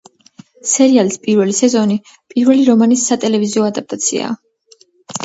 სერიალის პირველი სეზონი პირველი რომანის სატელევიზიო ადაპტაციაა.